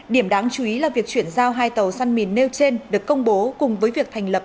điểm đáng chú ý là việc chuyển giao hai tàu săn mìn nêu trên được công bố cùng với việc thành lập